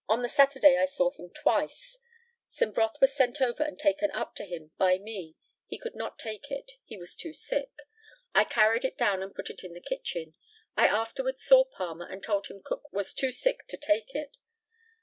On the Saturday I saw him twice. Some broth was sent over and taken up to him by me. He could not take it; he was too sick. I carried it down and put it into the kitchen. I afterwards saw Palmer, and told him Cook was too sick to take it.